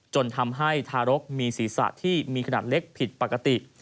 จนทำให้ทารกมีศีรษะที่มีขนาดเล็กผิดปกติ